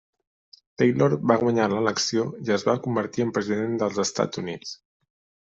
Taylor va guanyar l'elecció i es va convertir en President dels Estats Units.